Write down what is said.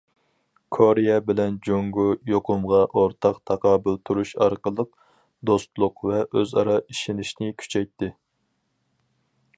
كورېيە بىلەن جۇڭگو يۇقۇمغا ئورتاق تاقابىل تۇرۇش ئارقىلىق، دوستلۇق ۋە ئۆز ئارا ئىشىنىشنى كۈچەيتتى.